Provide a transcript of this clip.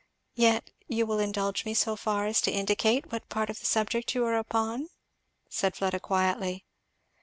"Yet you will indulge me so far as to indicate what part of the subject you are upon?" said Fleda quietly.